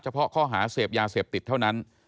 เพาะข้อหาเสพยาเสพติดเท่านั้น